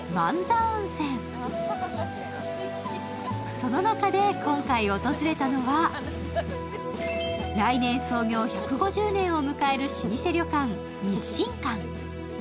その中で今回訪れたのは、来年、創業１５０年を迎える老舗旅館、日進館。